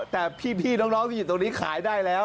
แต่พี่น้องที่อยู่ตรงนี้ขายได้แล้ว